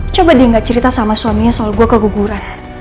coba dia nggak cerita sama suaminya soal gue keguguran